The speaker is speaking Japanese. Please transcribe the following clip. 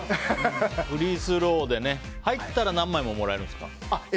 フリースローでね入ったら何枚ももらえるんですか。